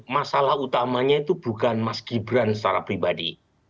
masalah utamanya itu bukan mas gibran secara pribadi